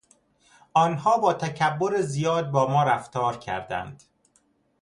آنها با تکبر زیاد با ما رفتار کردند.